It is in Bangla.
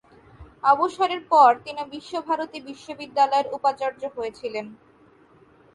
অবসরের পর তিনি বিশ্বভারতী বিশ্ববিদ্যালয়ের উপাচার্য হয়ে ছিলেন।